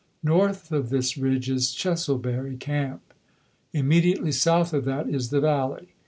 North of this ridge is Chesilbury Camp; immediately south of that is the valley.